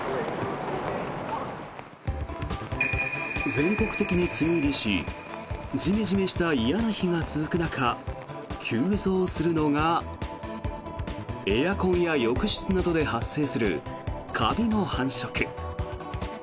全国的に梅雨入りしジメジメした嫌な日が続く中急増するのがエアコンや浴室などで発生するカビの繁殖。